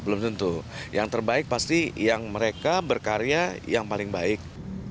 belum tentu yang terbaik pasti yang mereka berkarya yang paling baik